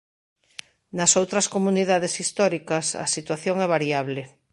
Nas outras comunidades históricas, a situación é variable.